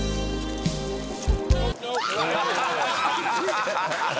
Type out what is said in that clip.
ハハハハ！